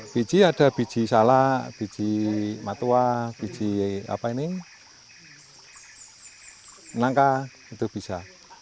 biji ada biji salak biji matua biji apa ini melangkah itu bisa